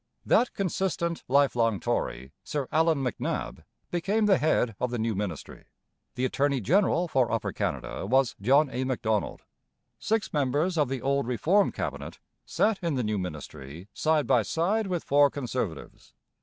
That consistent, life long Tory, Sir Allan MacNab, became the head of the new ministry. The attorney general for Upper Canada was John A. Macdonald. Six members of the old Reform Cabinet sat in the new ministry side by side with four Conservatives.